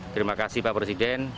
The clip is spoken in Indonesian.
terima kasih pak presiden